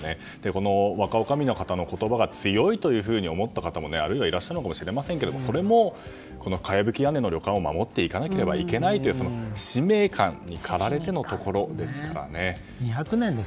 この若おかみの方の言葉が強いというふうに思った方もあるいはいるかもしれませんがそれもこのかやぶき屋根の旅館を守っていかなければいけないという使命感に駆られてですからね。